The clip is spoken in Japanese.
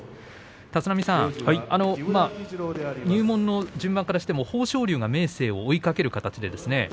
立浪さん、入門の順番からすると豊昇龍が明生を追いかける形ですね。